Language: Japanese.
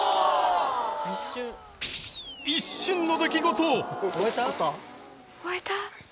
一瞬の出来事！